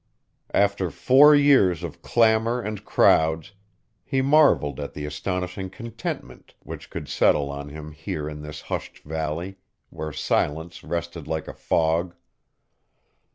After four years of clamor and crowds, he marveled at the astonishing contentment which could settle on him here in this hushed valley, where silence rested like a fog.